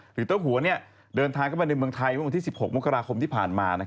หรือเจ้าหัวเดินทางเข้ามาในเมืองไทยเมื่อวันที่๑๖มกราคมที่ผ่านมา